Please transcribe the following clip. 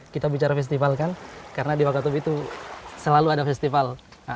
kita bicara festival kan karena di wakatobi itu selalu ada festival